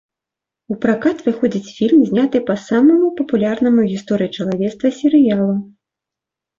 У пракат выходзіць фільм, зняты па самаму папулярнаму ў гісторыі чалавецтва серыялу.